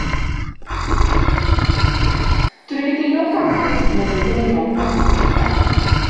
Drwy'r ugeinfed ganrif cynyddwyd y nifer yng ngwledydd Prydain.